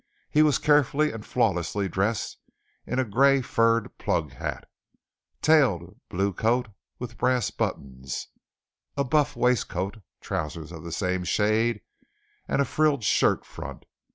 He was carefully and flawlessly dressed in a gray furred "plug" hat, tailed blue coat with brass buttons, a buff waistcoat, trousers of the same shade, and a frilled shirt front.